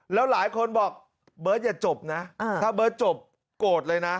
แล้วหลายคนบอกเบิร์ตอย่าจบนะถ้าเบิร์ตจบโกรธเลยนะ